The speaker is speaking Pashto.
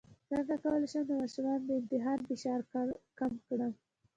څنګه کولی شم د ماشومانو د امتحان فشار کم کړم